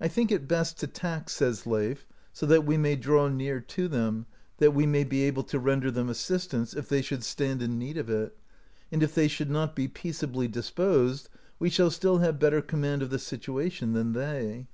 "I think it best to tack," says Leif, "so that we may draw near to them, that we may be able to render them assist ance, if they should stand in need of it ; and if they should not be peaceably disposed, we shall still have better com mand of the situation than they."